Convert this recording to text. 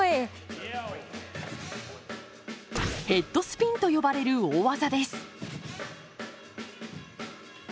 「ヘッドスピン」と呼ばれる大技です。